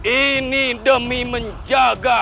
ini demi menjaga